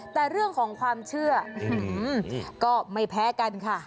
แต่เรื่องของความเชื่อก็ไม่แพ้กันค่ะ